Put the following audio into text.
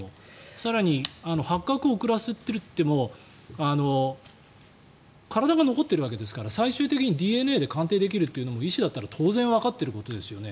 更に発覚を遅らせるといっても体が残っているわけですから最終的にＤＮＡで鑑定できるのも医師だったら当然わかっていることですよね。